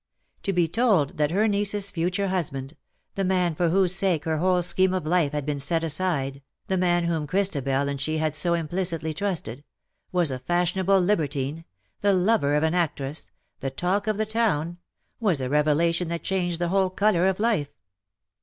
To be told that her niece's future husband — the man for whose sake her whole scheme of life had been set aside, the man whom Christabel and she had so implicitly trusted — was a fashionable libertine — the lover of an actress — the talk of the town — was a revelation that changed the whole colour of life.